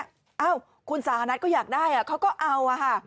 เอ้าคุณสานัทก็อยากได้เขาก็เอาค่ะ